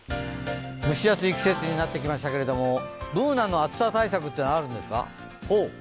蒸し暑い季節になってきましたけれども、Ｂｏｏｎａの暑さ対策はあるんですか？